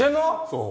そう。